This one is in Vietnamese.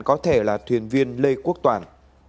có thể là thuyền viên lê quốc toàn